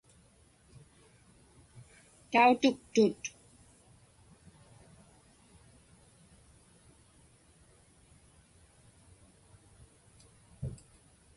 Tautuktut.